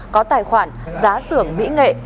có tài khoản giá sưởng mỹ nghệ